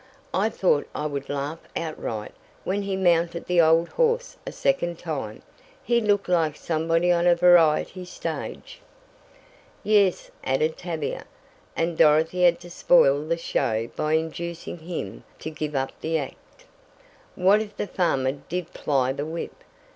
"I thought I would laugh outright when he mounted the old horse a second time. He looked like somebody on a variety stage." "Yes," added Tavia, "and Dorothy had to spoil the show by inducing him to give up the act. What if the farmer did ply the whip?